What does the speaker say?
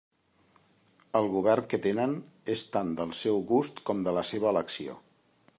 El govern que tenen és tant del seu gust com de la seva elecció.